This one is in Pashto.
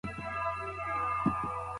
يو يو کتاب چاپ کړئ.